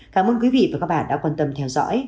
cảm ơn quý vị và các bạn đã quan tâm theo dõi